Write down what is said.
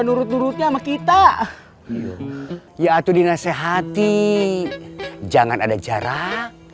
nurut nurutnya sama kita yaitu dinasehati jangan ada jarak